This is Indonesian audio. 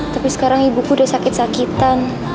tapi sekarang ibuku udah sakit sakitan